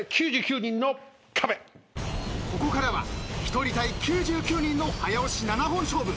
ここからは１人対９９人の早押し７本勝負。